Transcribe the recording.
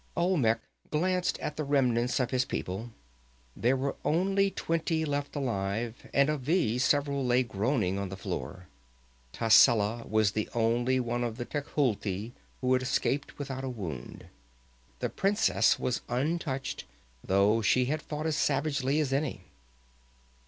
Olmec glanced at the remnants of his people. There were only twenty left alive, and of these several lay groaning on the floor. Tascela was the only one of the Tecuhltli who had escaped without a wound. The princess was untouched, though she had fought as savagely as any.